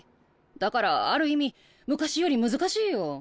だからある意味昔より難しいよ。